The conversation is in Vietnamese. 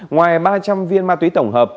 ngoài ba trăm linh viên má túy tổng hợp